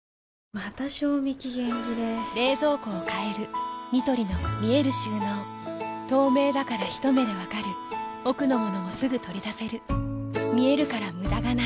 また賞味期限切れ冷蔵庫を変えるニトリの見える収納透明だからひと目で分かる奥の物もすぐ取り出せる見えるから無駄がないよし。